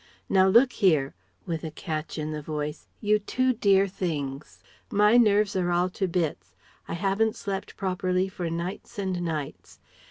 Now look here," (with a catch in the voice) "you two dear things. My nerves are all to bits.... I haven't slept properly for nights and nights.